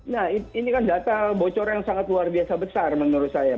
nah ini kan data bocor yang sangat luar biasa besar menurut saya